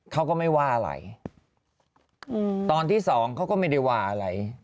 เขาก็ไม่ว่าอะไรตอนที่สองเขาก็ไม่ได้ว่าอะไร